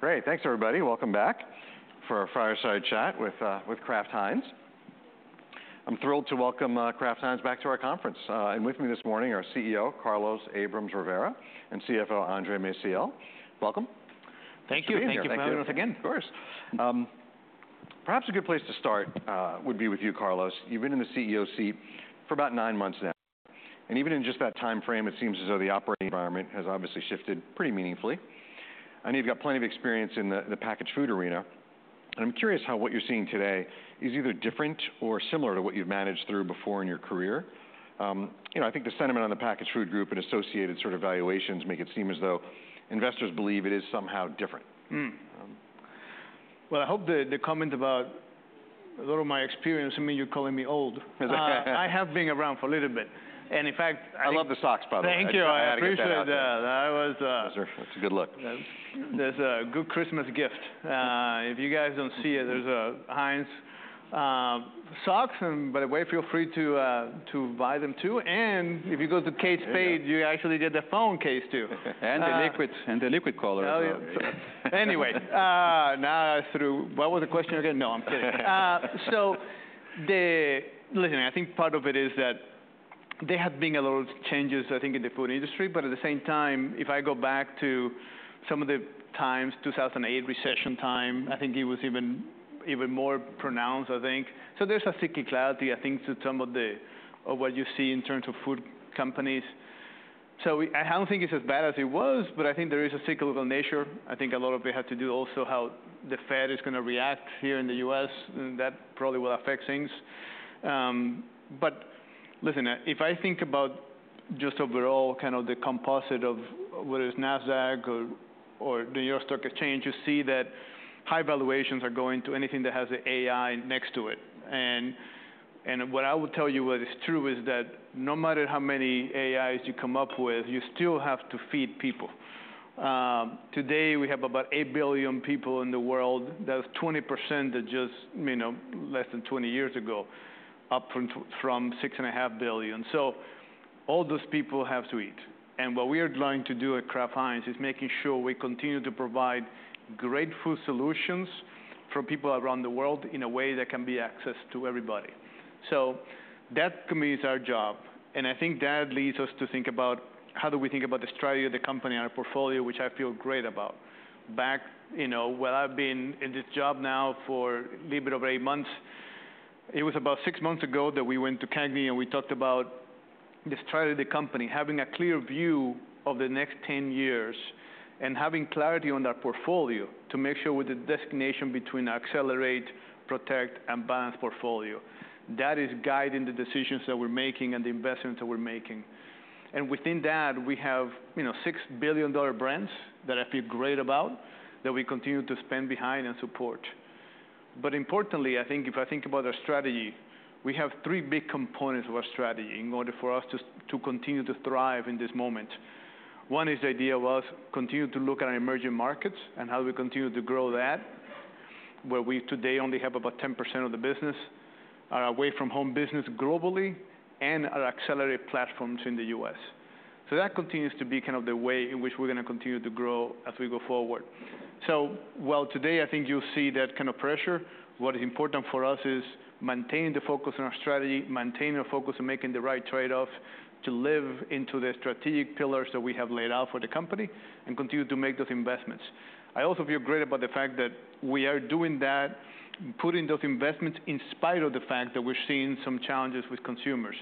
Great! Thanks, everybody. Welcome back for our fireside chat with Kraft Heinz. I'm thrilled to welcome Kraft Heinz back to our conference. And with me this morning are CEO, Carlos Abrams-Rivera, and CFO, Andre Maciel. Welcome. Thank you. Thank you. Thank you for coming with us again. Of course. Perhaps a good place to start would be with you, Carlos. You've been in the CEO seat for about nine months now, and even in just that timeframe, it seems as though the operating environment has obviously shifted pretty meaningfully. I know you've got plenty of experience in the packaged food arena, and I'm curious how what you're seeing today is either different or similar to what you've managed through before in your career. You know, I think the sentiment on the packaged food group and associated sort of valuations make it seem as though investors believe it is somehow different. Hmm. Um. I hope the comment about a lot of my experience. I mean, you're calling me old. I have been around for a little bit, and in fact, I- I love the socks, by the way. Thank you. I appreciate that. I appreciate that. That was,... It's a good look. That's a good Christmas gift. If you guys don't see it, there's Heinz socks, and by the way, feel free to buy them, too, and if you go to Kate Spade, you actually get the phone case, too. And the liquids, and the liquid color as well. Anyway, now through... What was the question again? No, I'm kidding. So the... Listen, I think part of it is that there have been a lot of changes, I think, in the food industry, but at the same time, if I go back to some of the times, 2008 recession time, I think it was even, even more pronounced, I think. So there's a cyclicality, I think, to some of the, of what you see in terms of food companies. So we... I don't think it's as bad as it was, but I think there is a cyclical nature. I think a lot of it has to do also how the Fed is gonna react here in the U.S., and that probably will affect things. But listen, if I think about just overall kind of the composite of whether it's Nasdaq or the New York Stock Exchange, you see that high valuations are going to anything that has AI next to it. And what I would tell you what is true is that no matter how many AIs you come up with, you still have to feed people. Today we have about eight billion people in the world. That's 20% that just, you know, less than twenty years ago, up from six and a half billion. So all those people have to eat, and what we are going to do at Kraft Heinz is making sure we continue to provide great food solutions for people around the world in a way that can be accessed to everybody. So that, to me, is our job, and I think that leads us to think about, how do we think about the strategy of the company and our portfolio, which I feel great about. You know, well, I've been in this job now for a little bit over eight months. It was about six months ago that we went to CAGNY, and we talked about the strategy of the company, having a clear view of the next 10 years and having clarity on that portfolio to make sure with the designation between Accelerate, Protect, and Balance portfolio. That is guiding the decisions that we're making and the investments that we're making. And within that, we have, you know, six billion-dollar brands that I feel great about, that we continue to spend behind and support. But importantly, I think if I think about our strategy, we have three big components of our strategy in order for us to continue to thrive in this moment. One is the idea of us continuing to look at emerging markets and how we continue to grow that, where we today only have about 10% of the business, our away from home business globally and our accelerated platforms in the U.S. So that continues to be kind of the way in which we're gonna continue to grow as we go forward. So while today I think you'll see that kind of pressure, what is important for us is maintaining the focus on our strategy, maintaining a focus on making the right trade-offs, to live into the strategic pillars that we have laid out for the company, and continue to make those investments. I also feel great about the fact that we are doing that, putting those investments in spite of the fact that we're seeing some challenges with consumers.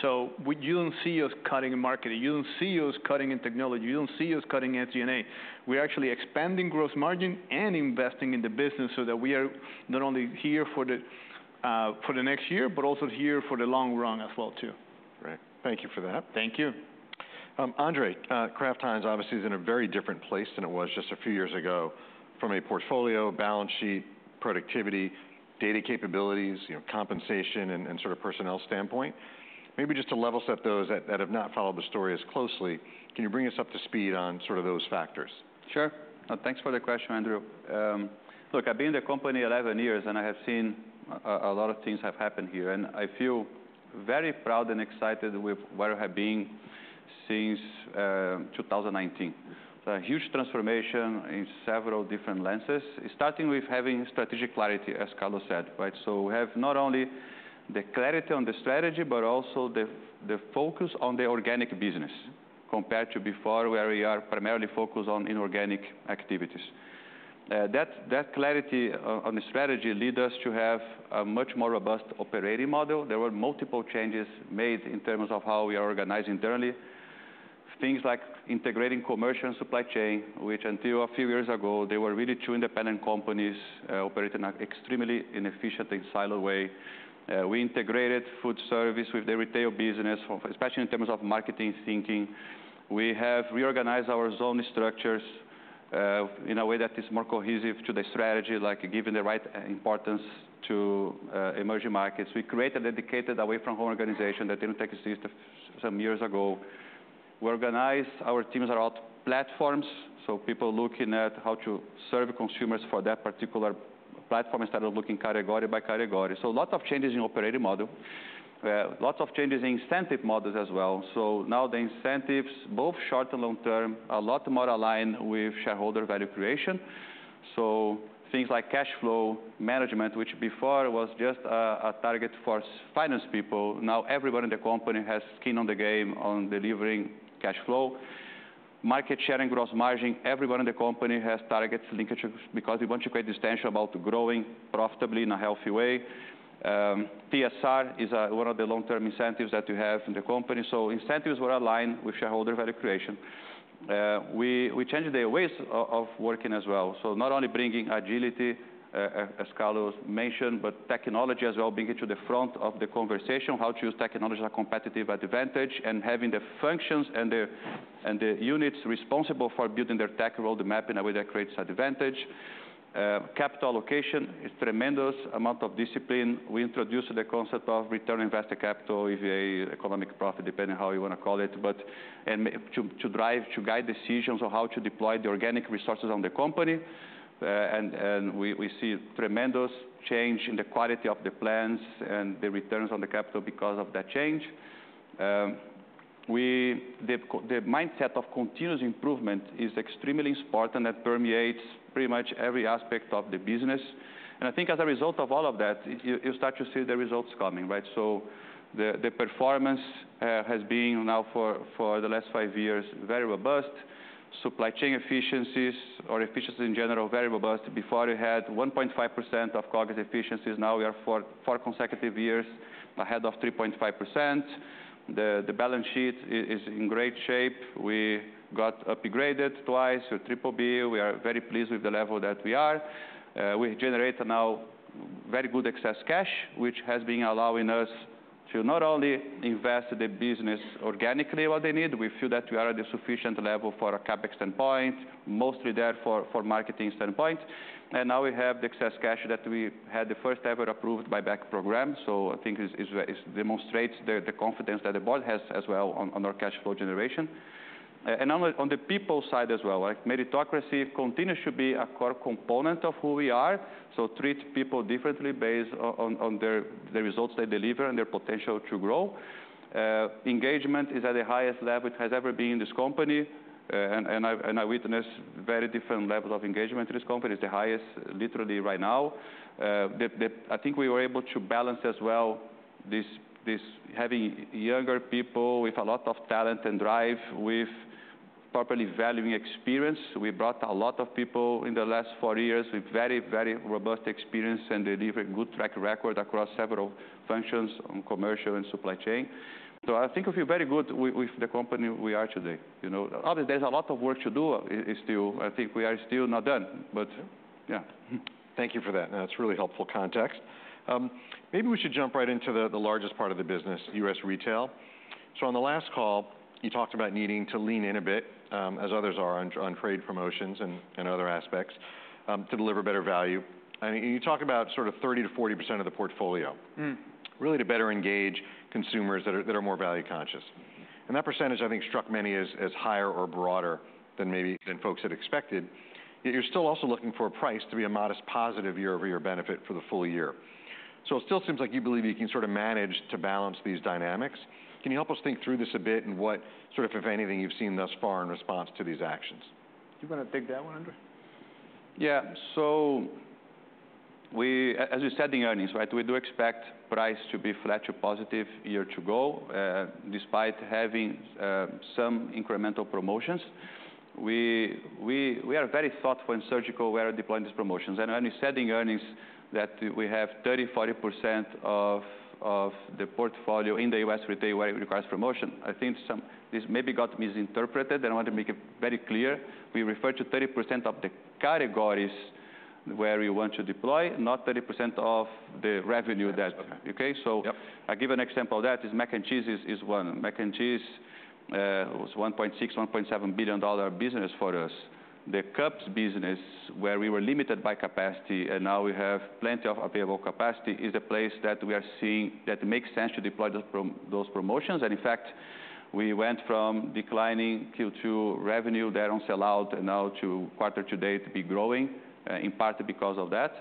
So we you don't see us cutting in marketing, you don't see us cutting in technology, you don't see us cutting in G&A. We're actually expanding gross margin and investing in the business so that we are not only here for the for the next year, but also here for the long run as well, too. Great. Thank you for that. Thank you. Andre, Kraft Heinz obviously is in a very different place than it was just a few years ago from a portfolio, balance sheet, productivity, data capabilities, you know, compensation, and sort of personnel standpoint. Maybe just to level set those that have not followed the story as closely, can you bring us up to speed on sort of those factors? Sure. Thanks for the question, Andrew. Look, I've been in the company eleven years, and I have seen a lot of things have happened here, and I feel very proud and excited with where I have been since 2019. A huge transformation in several different lenses, starting with having strategic clarity, as Carlos said, right? So we have not only the clarity on the strategy, but also the focus on the organic business, compared to before, where we are primarily focused on inorganic activities. That clarity on the strategy lead us to have a much more robust operating model. There were multiple changes made in terms of how we are organized internally. Things like integrating commercial and supply chain, which until a few years ago, they were really two independent companies, operating in extremely inefficient and siloed way. We integrated food service with the retail business, especially in terms of marketing thinking. We have reorganized our zone structures in a way that is more cohesive to the strategy, like giving the right importance to emerging markets. We created a dedicated Away From Home organization that didn't exist some years ago. We organized our teams around platforms, so people looking at how to serve consumers for that particular platform instead of looking category by category. So a lot of changes in operating model. Lots of changes in incentive models as well. So now the incentives, both short and long term, are a lot more aligned with shareholder value creation. So things like cash flow management, which before was just a target for finance people, now everyone in the company has skin on the game on delivering cash flow. Market share and gross margin, everyone in the company has targets linkages, because we want to create distinction about growing profitably in a healthy way. TSR is one of the long-term incentives that we have in the company, so incentives were aligned with shareholder value creation. We changed the ways of working as well, so not only bringing agility, as Carlos mentioned, but technology as well, bringing to the front of the conversation, how to use technology as a competitive advantage, and having the functions and the units responsible for building their tech road map in a way that creates advantage. Capital allocation is tremendous amount of discipline. We introduced the concept of return on invested capital, EVA, economic profit, depending how you want to call it, but... To drive, to guide decisions on how to deploy the organic resources on the company. And we see tremendous change in the quality of the plans and the returns on the capital because of that change. The mindset of continuous improvement is extremely important, and it permeates pretty much every aspect of the business. I think as a result of all of that, you start to see the results coming, right? The performance has been now, for the last five years, very robust. Supply chain efficiencies or efficiencies in general, very robust. Before we had 1.5% of COGS efficiencies, now we are for four consecutive years ahead of 3.5%. The balance sheet is in great shape. We got upgraded twice, so BBB. We are very pleased with the level that we are. We generate now very good excess cash, which has been allowing us to not only invest the business organically what they need. We feel that we are at a sufficient level for a CapEx standpoint, mostly there for marketing standpoint. And now we have the excess cash that we had the first ever approved buyback program, so I think demonstrates the confidence that the board has as well on our cash flow generation. And on the people side as well, like, meritocracy continues to be a core component of who we are, so treat people differently based on their results they deliver and their potential to grow. Engagement is at the highest level it has ever been in this company, and I witness very different level of engagement in this company. It's the highest, literally right now. I think we were able to balance as well, having younger people with a lot of talent and drive, with properly valuing experience. We brought a lot of people in the last four years with very, very robust experience and delivering good track record across several functions on commercial and supply chain. So I think we feel very good with the company we are today, you know. Obviously, there's a lot of work to do. It's still. I think we are still not done, but yeah. Thank you for that. That's really helpful context. Maybe we should jump right into the largest part of the business, US retail. So on the last call, you talked about needing to lean in a bit, as others are on trade promotions and other aspects, to deliver better value. And you talk about sort of 30%-40% of the portfolio- Mm. -really to better engage consumers that are more value conscious. And that percentage, I think, struck many as higher or broader than maybe folks had expected. Yet you're still also looking for a price to be a modest positive year-over-year benefit for the full year. So it still seems like you believe you can sort of manage to balance these dynamics. Can you help us think through this a bit and what, sort of, if anything, you've seen thus far in response to these actions? You want to take that one, Andre? Yeah. So as we said in earnings, right, we do expect price to be flat to positive year to go, despite having some incremental promotions. We are very thoughtful and surgical where deploying these promotions. And we only said in earnings that we have 30-40% of the portfolio in the U.S. today where it requires promotion. I think some of this maybe got misinterpreted, and I want to make it very clear. We refer to 30% of the categories where we want to deploy, not 30% of the revenue that- Okay. Okay, so- Yep. I'll give an example of that. Mac and cheese is one. Mac and cheese was a $1.6-$1.7 billion business for us. The cups business, where we were limited by capacity and now we have plenty of available capacity, is a place that we are seeing that makes sense to deploy those promotions. And in fact, we went from declining Q2 revenue there on sell out and now to quarter to date to be growing, in part because of that.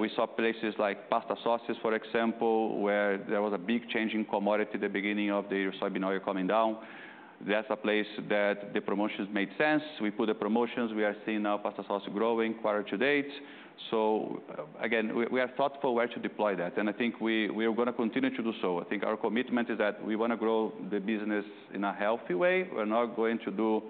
We saw places like pasta sauces, for example, where there was a big change in commodity the beginning of the year, soybean oil coming down. That's a place that the promotions made sense. We put the promotions, we are seeing now pasta sauce growing quarter to date. So again, we are thoughtful where to deploy that, and I think we are going to continue to do so. I think our commitment is that we want to grow the business in a healthy way. We're not going to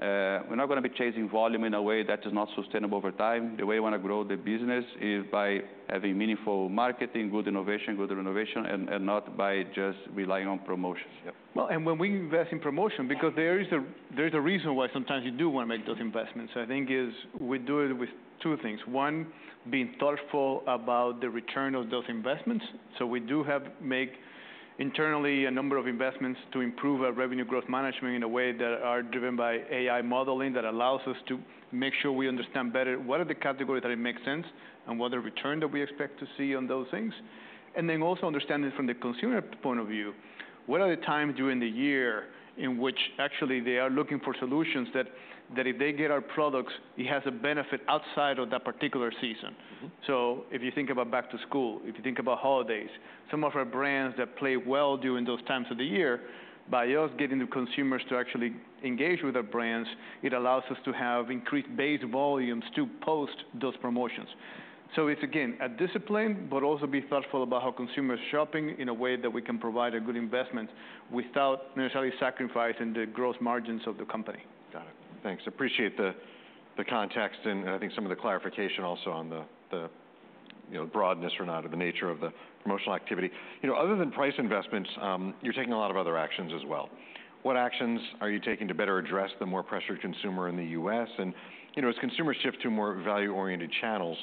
be chasing volume in a way that is not sustainable over time. The way we want to grow the business is by having meaningful marketing, good innovation, good renovation, and not by just relying on promotions. Yep. And when we invest in promotion, because there is a reason why sometimes you do want to make those investments. I think is we do it with two things. One, being thoughtful about the return of those investments. So we do have make internally a number of investments to improve our revenue growth management in a way that are driven by AI modeling, that allows us to make sure we understand better what are the categories that it makes sense and what the return that we expect to see on those things. And then also understanding from the consumer point of view, what are the times during the year in which actually they are looking for solutions that if they get our products, it has a benefit outside of that particular season?... So if you think about back to school, if you think about holidays, some of our brands that play well during those times of the year, by us getting the consumers to actually engage with our brands, it allows us to have increased base volumes to post those promotions. So it's again, a discipline, but also be thoughtful about how consumers are shopping in a way that we can provide a good investment without necessarily sacrificing the gross margins of the company. Got it. Thanks. Appreciate the context, and I think some of the clarification also on the you know, broadness or not of the nature of the promotional activity. You know, other than price investments, you're taking a lot of other actions as well. What actions are you taking to better address the more pressured consumer in the U.S.? And, you know, as consumers shift to more value-oriented channels,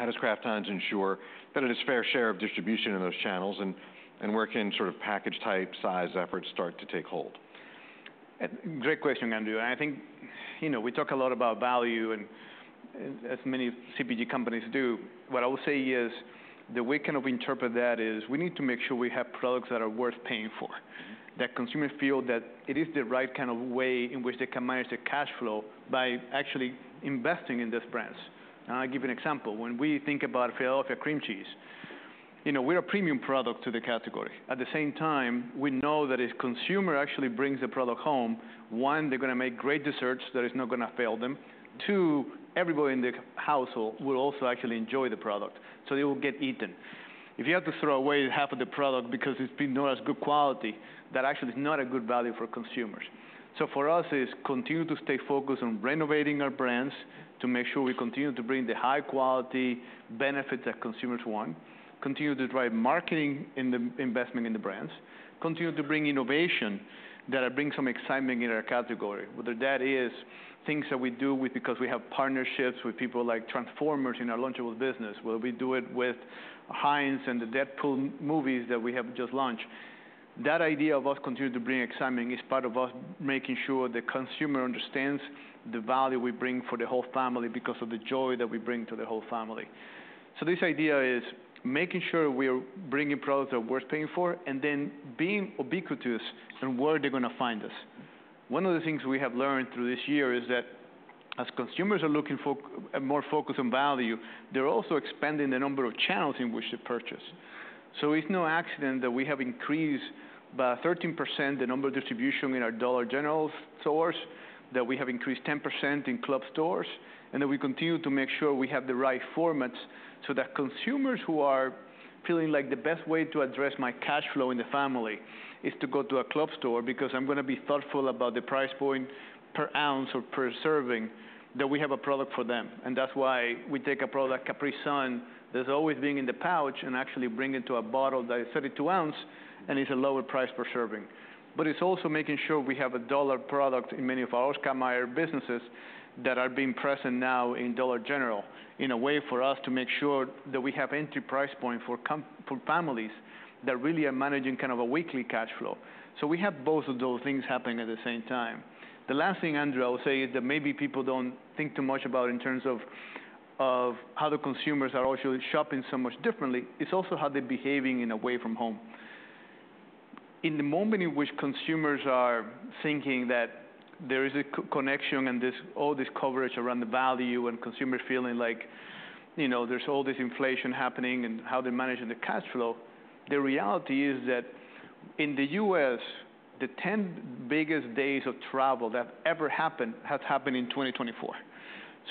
how does Kraft Heinz ensure that it is fair share of distribution in those channels and where can sort of package type, size efforts start to take hold? Great question, Andrew. I think, you know, we talk a lot about value, and as many CPG companies do, what I would say is, we need to make sure we have products that are worth paying for. Mm-hmm. That consumers feel that it is the right kind of way in which they can manage their cash flow by actually investing in these brands. I'll give you an example. When we think about Philadelphia Cream Cheese, you know, we're a premium product to the category. At the same time, we know that if consumer actually brings the product home, one, they're gonna make great desserts that is not gonna fail them. Two, everybody in the household will also actually enjoy the product, so it will get eaten. If you have to throw away half of the product because it's been not as good quality, that actually is not a good value for consumers. So for us, it's continue to stay focused on renovating our brands, to make sure we continue to bring the high-quality benefits that consumers want, continue to drive marketing in the investment in the brands, continue to bring innovation that will bring some excitement in our category, whether that is things that we do with because we have partnerships with people like Transformers in our Lunchables business, whether we do it with Heinz and the Deadpool movies that we have just launched. That idea of us continuing to bring excitement is part of us making sure the consumer understands the value we bring for the whole family because of the joy that we bring to the whole family. So this idea is making sure we are bringing products that are worth paying for, and then being ubiquitous in where they're gonna find us. One of the things we have learned through this year is that as consumers are looking more focused on value, they're also expanding the number of channels in which they purchase. So it's no accident that we have increased by 13% the number of distribution in our Dollar General stores, that we have increased 10% in club stores, and that we continue to make sure we have the right formats so that consumers who are feeling like the best way to address my cash flow in the family is to go to a club store because I'm gonna be thoughtful about the price point per ounce or per serving, that we have a product for them. That's why we take a product, Capri Sun, that's always been in the pouch, and actually bring it to a bottle that is 32-ounce, and it's a lower price per serving. But it's also making sure we have a $1 product in many of our Oscar Mayer businesses that are being present now in Dollar General, in a way for us to make sure that we have entry price point for families that really are managing kind of a weekly cash flow. So we have both of those things happening at the same time. The last thing, Andrew, I will say, is that maybe people don't think too much about in terms of how the consumers are also shopping so much differently, is also how they're behaving in Away From Home. In the moment in which consumers are thinking that there is a connection and this all this coverage around the value and consumers feeling like, you know, there's all this inflation happening and how they're managing the cash flow, the reality is that in the US, the ten biggest days of travel that have ever happened have happened in twenty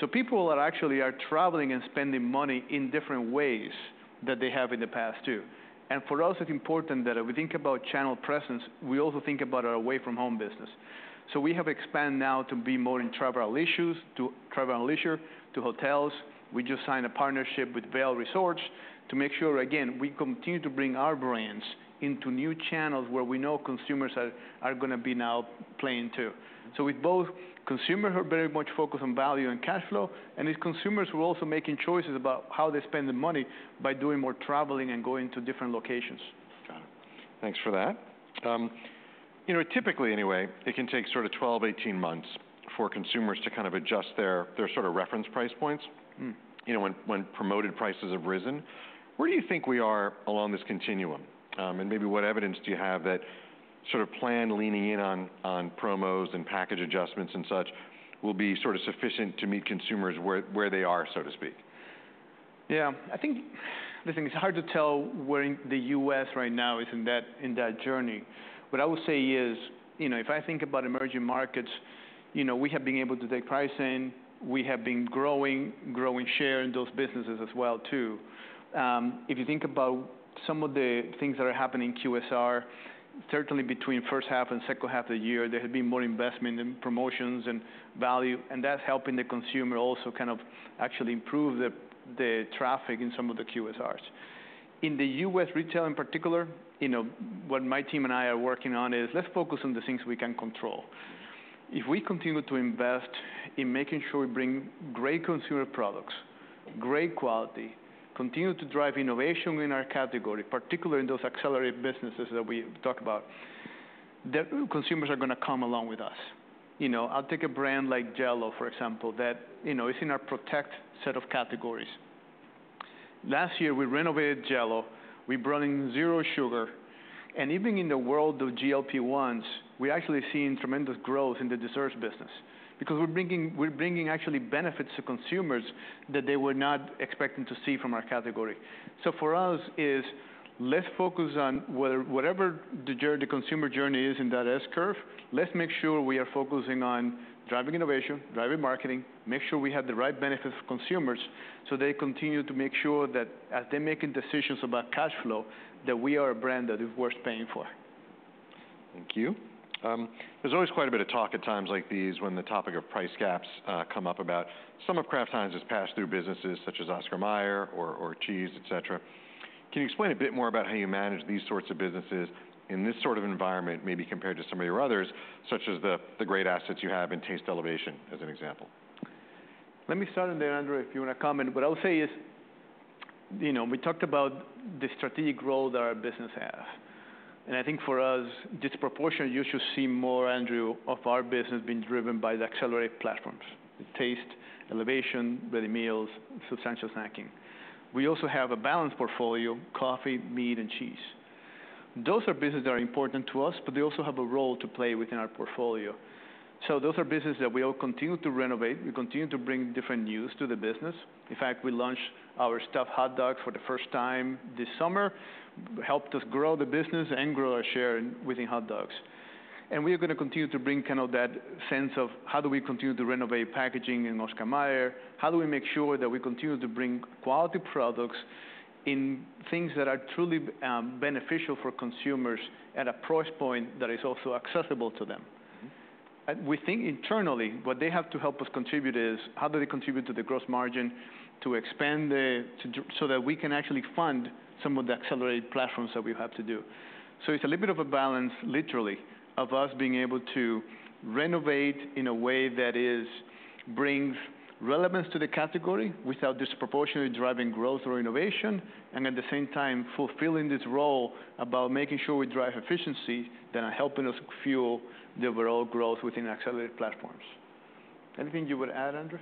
twenty-four. So people are actually traveling and spending money in different ways than they have in the past, too. And for us, it's important that if we think about channel presence, we also think about our away-from-home business. So we have expanded now to be more in travel aisles, to travel and leisure, to hotels. We just signed a partnership with Vail Resorts to make sure, again, we continue to bring our brands into new channels where we know consumers are gonna be now playing, too. With both consumers who are very much focused on value and cash flow, and these consumers who are also making choices about how they spend their money by doing more traveling and going to different locations. Got it. Thanks for that. You know, typically anyway, it can take sort of 12-18 months for consumers to kind of adjust their sort of reference price points. Mm. You know, when promoted prices have risen. Where do you think we are along this continuum? And maybe what evidence do you have that sort of plan leaning in on promos and package adjustments and such will be sort of sufficient to meet consumers where they are, so to speak? Yeah. I think, listen, it's hard to tell where in the U.S. right now is in that journey. What I would say is, you know, if I think about emerging markets, you know, we have been able to take pricing. We have been growing, growing share in those businesses as well, too. If you think about some of the things that are happening in QSR, certainly between first half and second half of the year, there have been more investment in promotions and value, and that's helping the consumer also kind of actually improve the traffic in some of the QSRs. In the U.S. retail in particular, you know, what my team and I are working on is, let's focus on the things we can control. If we continue to invest in making sure we bring great consumer products, great quality, continue to drive innovation in our category, particularly in those accelerated businesses that we talked about, the consumers are gonna come along with us. You know, I'll take a brand like Jell-O, for example, that, you know, is in our protect set of categories. Last year, we renovated Jell-O, we brought in zero sugar. And even in the world of GLP-1s, we're actually seeing tremendous growth in the desserts business, because we're bringing actually benefits to consumers that they were not expecting to see from our category. So for us, let's focus on whatever the consumer journey is in that S-curve. Let's make sure we are focusing on driving innovation, driving marketing, make sure we have the right benefits for consumers, so they continue to make sure that as they're making decisions about cash flow, that we are a brand that is worth paying for. Thank you. There's always quite a bit of talk at times like these when the topic of price gaps come up about some of Kraft Heinz's pass-through businesses, such as Oscar Mayer or cheese, et cetera. Can you explain a bit more about how you manage these sorts of businesses in this sort of environment, maybe compared to some of your others, such as the great assets you have in taste elevation, as an example? Let me start on there, Andre, if you want to comment. What I'll say is, you know, we talked about the strategic role that our business has. And I think for us, disproportionately, you should see more, Andrew, of our business being driven by the accelerated platforms: the Taste Elevation, ready meals, Substantial Snacking. We also have a balanced portfolio, coffee, meat, and cheese. Those are businesses that are important to us, but they also have a role to play within our portfolio. So those are businesses that we all continue to renovate. We continue to bring different news to the business. In fact, we launched our stuffed hot dog for the first time this summer, helped us grow the business and grow our share within hot dogs. We are gonna continue to bring kind of that sense of how do we continue to renovate packaging in Oscar Mayer? How do we make sure that we continue to bring quality products in things that are truly beneficial for consumers at a price point that is also accessible to them? Mm-hmm. We think internally, what they have to help us contribute is, how do they contribute to the gross margin to expand so that we can actually fund some of the accelerated platforms that we have to do. So it's a little bit of a balance, literally, of us being able to renovate in a way that is, brings relevance to the category without disproportionately driving growth or innovation, and at the same time, fulfilling this role about making sure we drive efficiency, that are helping us fuel the overall growth within accelerated platforms. Anything you would add, Andre?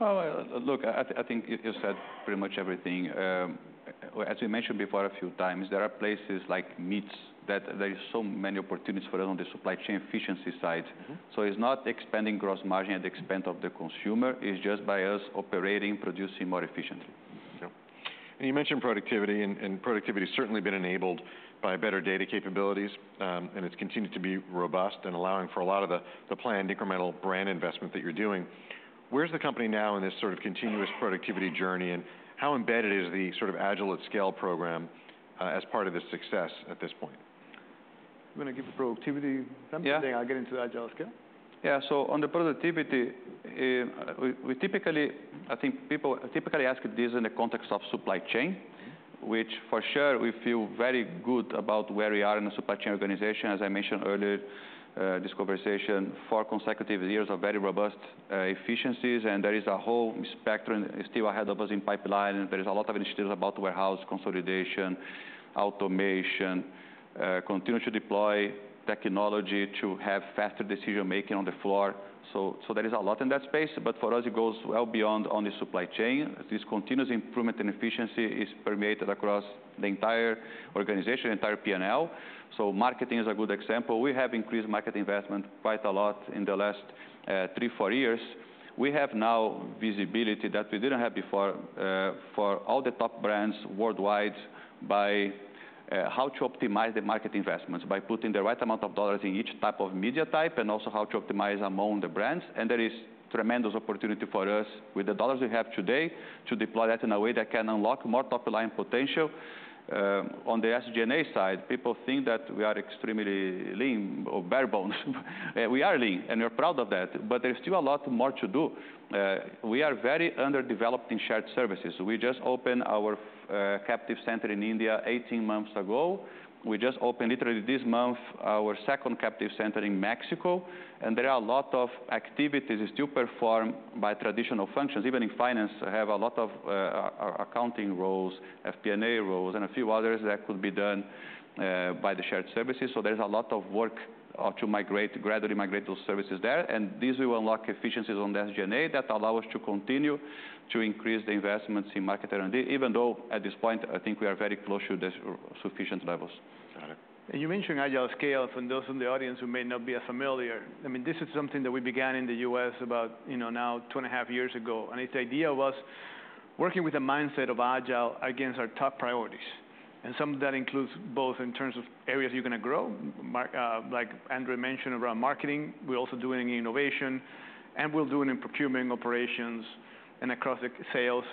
Oh, look, I think you said pretty much everything. As you mentioned before, a few times, there are places like meats that there is so many opportunities for us on the supply chain efficiency side. Mm-hmm. So it's not expanding gross margin at the expense of the consumer, it's just by us operating, producing more efficiently. Mm-hmm. Yep. And you mentioned productivity, and productivity has certainly been enabled by better data capabilities, and it's continued to be robust and allowing for a lot of the planned incremental brand investment that you're doing. Where's the company now in this sort of continuous productivity journey, and how embedded is the sort of agile at scale program, as part of the success at this point? You want to give the productivity? Yeah. Then I'll get into Agile at Scale. Yeah, so on the productivity, we typically... I think people typically ask this in the context of supply chain- Mm-hmm. Which, for sure, we feel very good about where we are in the supply chain organization. As I mentioned earlier, this conversation, four consecutive years of very robust efficiencies, and there is a whole spectrum still ahead of us in pipeline. There is a lot of initiatives about warehouse consolidation, automation, continue to deploy technology to have faster decision making on the floor. So there is a lot in that space, but for us, it goes well beyond on the supply chain. This continuous improvement and efficiency is permeated across the entire organization, entire P&L. So marketing is a good example. We have increased market investment quite a lot in the last three, four years. We have now visibility that we didn't have before, for all the top brands worldwide, by how to optimize the market investments. By putting the right amount of dollars in each type of media type, and also how to optimize among the brands, and there is tremendous opportunity for us with the dollars we have today, to deploy that in a way that can unlock more top-line potential. On the SG&A side, people think that we are extremely lean or bare bones. We are lean, and we're proud of that, but there's still a lot more to do. We are very underdeveloped in shared services. We just opened our captive center in India eighteen months ago. We just opened, literally this month, our second captive center in Mexico, and there are a lot of activities still performed by traditional functions. Even in finance, I have a lot of accounting roles, FP&A roles, and a few others that could be done by the shared services. There's a lot of work to migrate, gradually migrate those services there, and this will unlock efficiencies on the SG&A that allow us to continue to increase the investments in market and, even though at this point, I think we are very close to the sufficient levels. Got it. You mentioned Agile at Scale, for those in the audience who may not be as familiar. I mean, this is something that we began in the U.S. about, you know, now two and a half years ago. Its idea was working with the mindset of Agile against our top priorities. Some of that includes both in terms of areas you're going to grow, marketing, like Andre mentioned, around marketing. We're also doing innovation, and we're doing it in procurement operations and across the sales.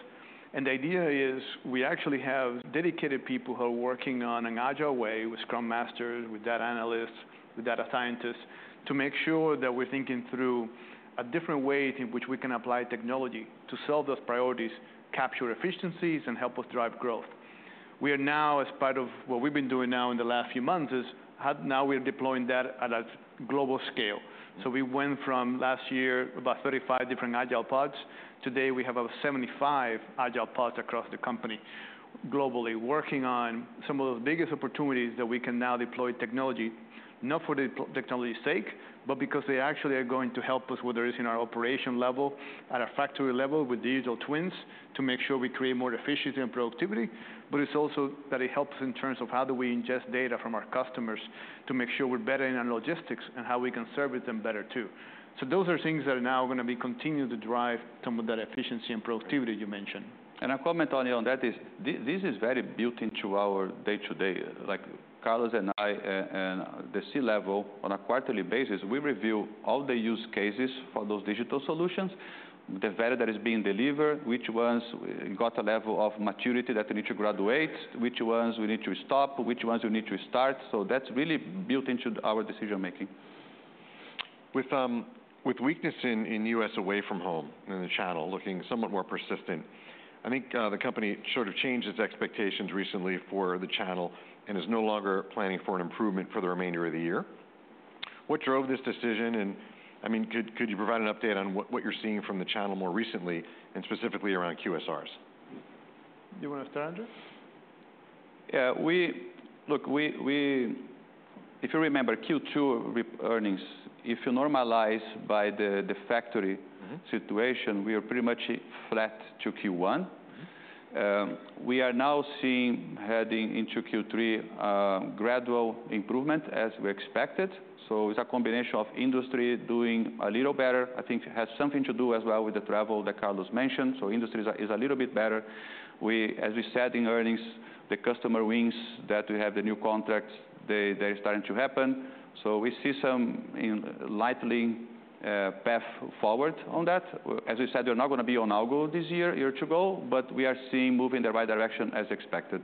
The idea is, we actually have dedicated people who are working on an Agile way with scrum masters, with data analysts, with data scientists, to make sure that we're thinking through a different way in which we can apply technology to solve those priorities, capture efficiencies, and help us drive growth. We are now, as part of what we've been doing now in the last few months, now we're deploying that at a global scale. Mm. So we went from last year, about 35 different Agile Pods. Today, we have over 75 Agile Pods across the company, globally, working on some of the biggest opportunities that we can now deploy technology, not for the technology's sake, but because they actually are going to help us whether it's in our operation level, at our factory level, with digital twins, to make sure we create more efficiency and productivity. But it's also that it helps in terms of how do we ingest data from our customers to make sure we're better in our logistics and how we can service them better, too. So those are things that are now gonna be continuing to drive some of that efficiency and productivity you mentioned. And a comment on that is, this is very built into our day-to-day. Like, Carlos and I, and the C level, on a quarterly basis, we review all the use cases for those digital solutions, the value that is being delivered, which ones got a level of maturity that they need to graduate, which ones we need to stop, which ones we need to start. So that's really built into our decision making. With weakness in U.S. Away From Home in the channel looking somewhat more persistent, I think, the company sort of changed its expectations recently for the channel and is no longer planning for an improvement for the remainder of the year. What drove this decision, and I mean, could you provide an update on what you're seeing from the channel more recently, and specifically around QSRs? You wanna start it? Yeah, we. Look, we. If you remember Q2 earnings, if you normalize by the factory- Mm-hmm... situation, we are pretty much flat to Q1. Mm-hmm. We are now seeing, heading into Q3, gradual improvement as we expected. So it's a combination of industry doing a little better. I think it has something to do as well with the travel that Carlos mentioned, so industry is a little bit better. As we said in earnings, the customer wins that we have the new contracts; they're starting to happen. So we see some incrementally path forward on that. As we said, they're not gonna be on our goal this year, year to go, but we are seeing movement in the right direction as expected.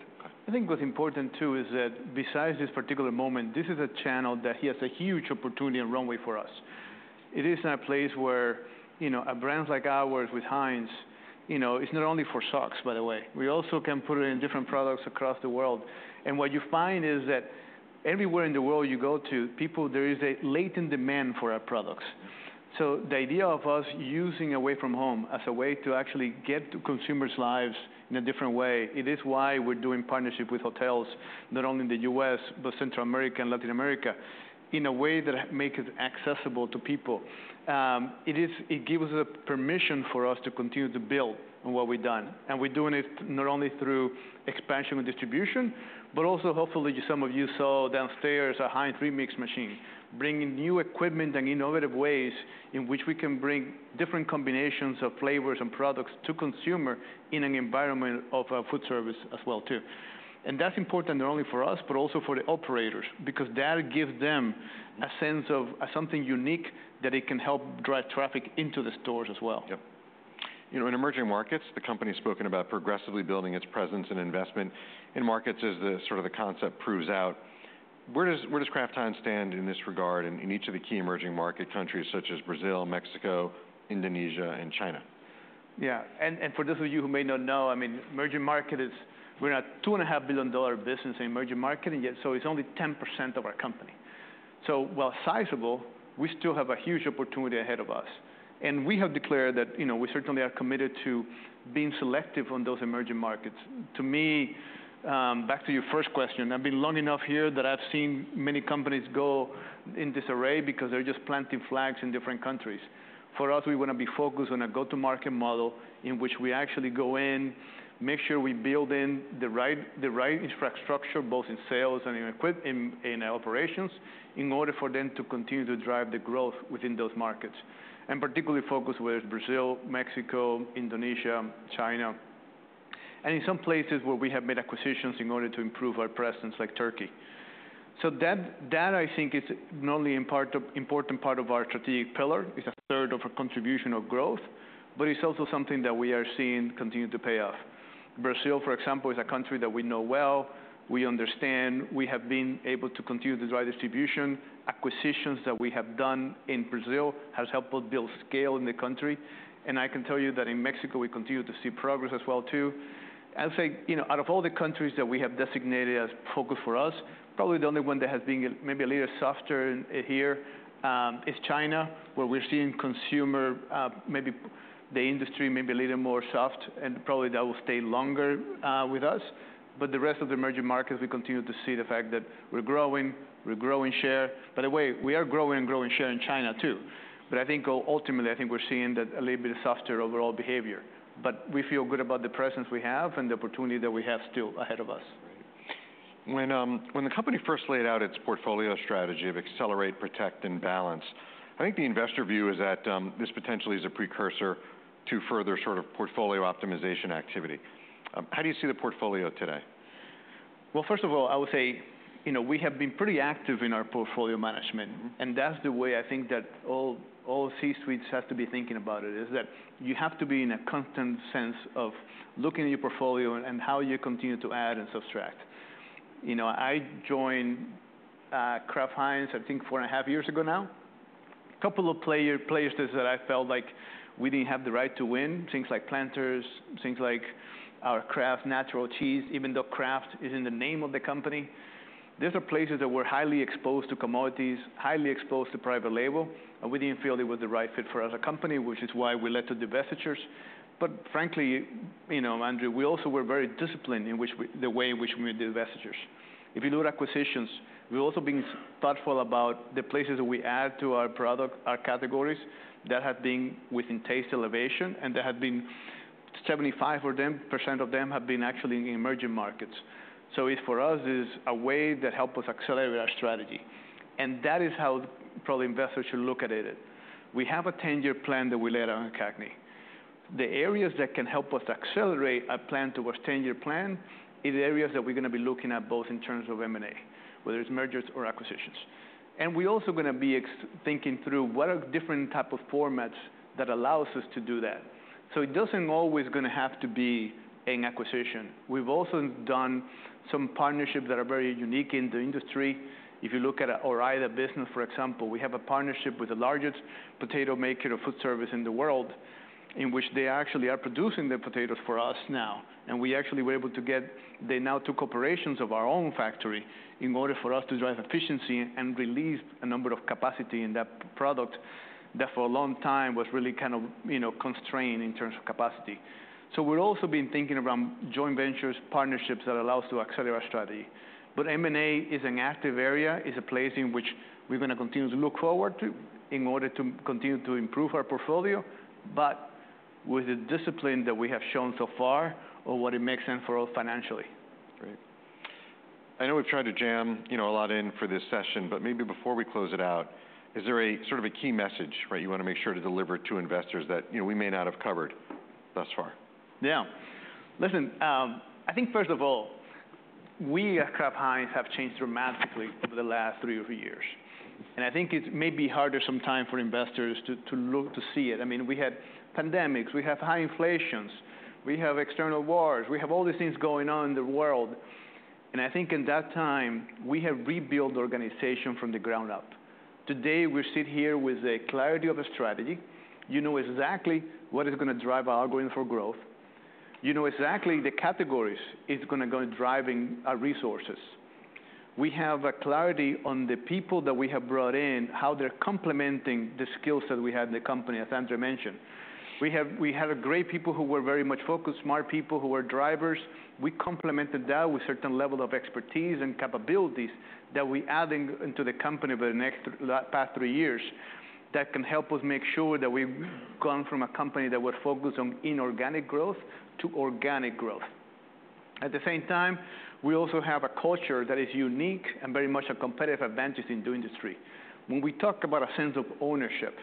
I think what's important, too, is that besides this particular moment, this is a channel that has a huge opportunity and runway for us. It is in a place where, you know, brands like ours with Heinz, you know, it's not only for socks, by the way. We also can put it in different products across the world. What you find is that everywhere in the world you go to, people, there is a latent demand for our products. So the idea of us using Away From Home as a way to actually get to consumers' lives in a different way, it is why we're doing partnership with hotels, not only in the U.S., but Central America and Latin America, in a way that make it accessible to people. It gives us a permission for us to continue to build on what we've done. We're doing it not only through expansion and distribution, but also hopefully, some of you saw downstairs, our Heinz Remix Machine, bringing new equipment and innovative ways in which we can bring different combinations of flavors and products to consumers in an environment of food service as well, too. That's important not only for us, but also for the operators, because that gives them a sense of something unique that it can help drive traffic into the stores as well. Yep. You know, in emerging markets, the company's spoken about progressively building its presence and investment in markets as the, sort of the concept proves out. Where does Kraft Heinz stand in this regard, in each of the key emerging market countries such as Brazil, Mexico, Indonesia, and China? Yeah, and for those of you who may not know, I mean, emerging markets... We're a $2.5 billion business in emerging markets, yet, so it's only 10% of our company. So while sizable, we still have a huge opportunity ahead of us. We have declared that, you know, we certainly are committed to being selective on those emerging markets. To me, back to your first question, I've been long enough here that I've seen many companies go in disarray because they're just planting flags in different countries. For us, we wanna be focused on a go-to-market model in which we actually go in, make sure we build the right infrastructure, both in sales and in operations, in order for them to continue to drive the growth within those markets. And particularly focused with Brazil, Mexico, Indonesia, China, and in some places where we have made acquisitions in order to improve our presence, like Turkey. So that, that I think is not only important part of our strategic pillar, it's a third of a contribution of growth, but it's also something that we are seeing continue to pay off. Brazil, for example, is a country that we know well, we understand. We have been able to continue the direct distribution. Acquisitions that we have done in Brazil has helped us build scale in the country. I can tell you that in Mexico, we continue to see progress as well. I'll say, you know, out of all the countries that we have designated as focus for us, probably the only one that has been maybe a little softer in here, is China, where we're seeing consumer, maybe the industry may be a little more soft, and probably that will stay longer, with us. But the rest of the emerging markets, we continue to see the fact that we're growing, we're growing share. By the way, we are growing and growing share in China, too. But I think ultimately, I think we're seeing that a little bit softer overall behavior. But we feel good about the presence we have and the opportunity that we have still ahead of us. When the company first laid out its portfolio strategy of accelerate, protect, and balance, I think the investor view is that this potentially is a precursor to further sort of portfolio optimization activity. How do you see the portfolio today? First of all, I would say, you know, we have been pretty active in our portfolio management. Mm-hmm. And that's the way I think that all, all C-suites have to be thinking about it, is that you have to be in a constant sense of looking at your portfolio and, and how you continue to add and subtract. You know, I joined Kraft Heinz, I think, four and a half years ago now. Couple of places that I felt like we didn't have the right to win, things like Planters, things like our Kraft Natural Cheese, even though Kraft is in the name of the company... These are places that were highly exposed to commodities, highly exposed to private label, and we didn't feel they were the right fit for us as a company, which is why we led to divestitures. But frankly, you know, Andrew, we also were very disciplined in the way in which we did divestitures. If you do acquisitions, we've also been thoughtful about the places that we add to our product, our categories, that have been within taste elevation, and 75% of them have been actually in emerging markets. So it, for us, is a way that help us accelerate our strategy, and that is how probably investors should look at it. We have a 10-year plan that we laid out on CAGNY. The areas that can help us accelerate our plan towards 10-year plan, is areas that we're gonna be looking at both in terms of M&A, whether it's mergers or acquisitions. And we're also gonna be thinking through what are different type of formats that allows us to do that. So it doesn't always gonna have to be an acquisition. We've also done some partnerships that are very unique in the industry. If you look at our Ore-Ida business, for example, we have a partnership with the largest potato maker of food service in the world, in which they actually are producing the potatoes for us now. And we actually were able to get... They now took operations of our own factory in order for us to drive efficiency and release a number of capacity in that product, that for a long time was really kind of, you know, constrained in terms of capacity. So we've also been thinking around joint ventures, partnerships that allow us to accelerate our strategy. But M&A is an active area, is a place in which we're gonna continue to look forward to in order to continue to improve our portfolio, but with the discipline that we have shown so far of what it makes sense for us financially. Great. I know we've tried to jam, you know, a lot in for this session, but maybe before we close it out, is there a sort of a key message, right, you want to make sure to deliver to investors that, you know, we may not have covered thus far? Yeah. Listen, I think first of all, we at Kraft Heinz have changed dramatically over the last three years, and I think it may be harder sometimes for investors to look to see it. I mean, we had pandemics, we have high inflations, we have external wars, we have all these things going on in the world, and I think in that time, we have rebuilt the organization from the ground up. Today, we sit here with a clarity of a strategy. You know exactly what is gonna drive our algorithm for growth. You know exactly the categories it's gonna go to driving our resources. We have a clarity on the people that we have brought in, how they're complementing the skills that we have in the company, as Andrew mentioned. We have a great people who were very much focused, smart people who were drivers. We complemented that with a certain level of expertise and capabilities that we're adding into the company over the past three years, that can help us make sure that we've gone from a company that was focused on inorganic growth to organic growth. At the same time, we also have a culture that is unique and very much a competitive advantage in the industry. When we talk about a sense of ownership,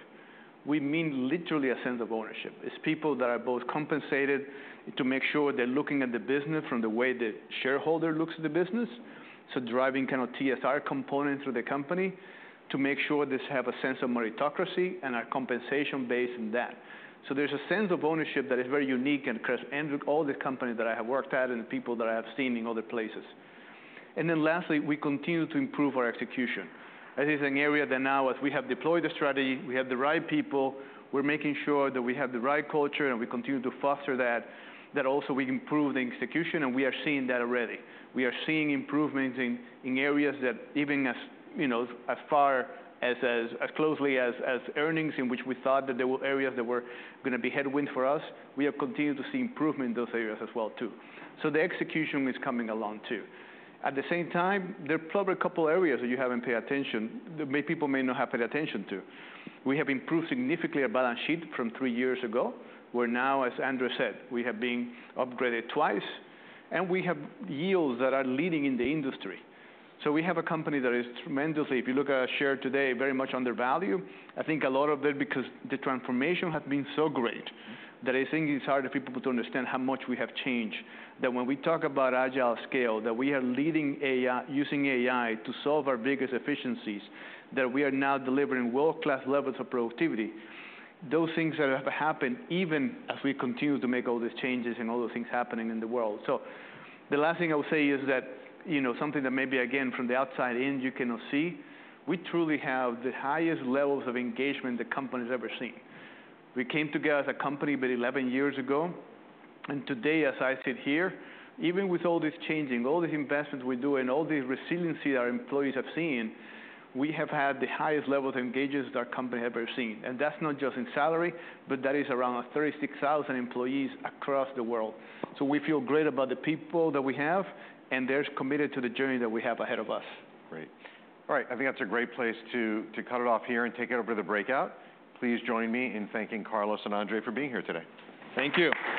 we mean literally a sense of ownership. It's people that are both compensated to make sure they're looking at the business from the way the shareholder looks at the business. So driving kind of TSR component through the company, to make sure this has a sense of meritocracy and a compensation based on that. So there's a sense of ownership that is very unique and across and with all the companies that I have worked at and people that I have seen in other places. And then lastly, we continue to improve our execution. That is an area that now, as we have deployed the strategy, we have the right people, we're making sure that we have the right culture, and we continue to foster that, also we improve the execution, and we are seeing that already. We are seeing improvements in areas that even as, you know, as far as, as closely as earnings, in which we thought that there were areas that were gonna be headwind for us, we have continued to see improvement in those areas as well, too. So the execution is coming along, too. At the same time, there are probably a couple areas that you haven't paid attention to, that people may not have paid attention to. We have improved significantly our balance sheet from three years ago, where now, as Andrew said, we have been upgraded twice, and we have yields that are leading in the industry. So we have a company that is tremendously, if you look at our share today, very much undervalued. I think a lot of it because the transformation has been so great, that I think it's hard for people to understand how much we have changed. That when we talk about Agile at Scale, that we are leading AI using AI to solve our biggest efficiencies, that we are now delivering world-class levels of productivity. Those things that have happened, even as we continue to make all these changes and all those things happening in the world. So the last thing I will say is that, you know, something that maybe, again, from the outside in, you cannot see, we truly have the highest levels of engagement the company's ever seen. We came together as a company about 11 years ago, and today, as I sit here, even with all this changing, all the investments we do and all the resiliency our employees have seen, we have had the highest levels of engagement that our company have ever seen, and that's not just in salary, but that is around 36,000 employees across the world, so we feel great about the people that we have, and they're committed to the journey that we have ahead of us. Great. All right, I think that's a great place to cut it off here and take it over to the breakout. Please join me in thanking Carlos and Andre for being here today. Thank you.